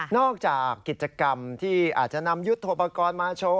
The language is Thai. จากกิจกรรมที่อาจจะนำยุทธโปรกรณ์มาโชว์